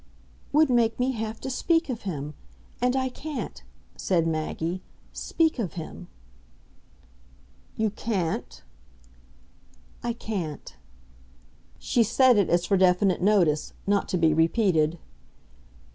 "Would make me have to speak of him. And I can't," said Maggie, "speak of him." "You 'can't' ?" "I can't." She said it as for definite notice, not to be repeated.